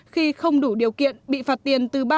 khi không đủ điều kiện bị phạt tiền từ bà